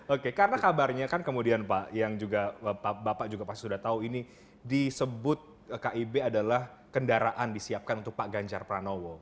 oke karena kabarnya kan kemudian pak yang juga bapak juga pasti sudah tahu ini disebut kib adalah kendaraan disiapkan untuk pak ganjar pranowo